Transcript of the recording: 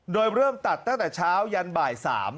โดยเริ่มตัดตั้งแต่เช้ายันบ่าย๓